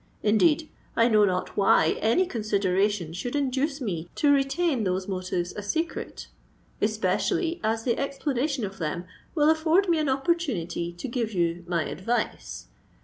Indeed, I know not why any consideration should induce me to retain those motives a secret—especially as the explanation of them will afford me an opportunity to give you my advice.